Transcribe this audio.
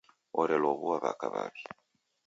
Orelow'ua w'aka w'aw'i.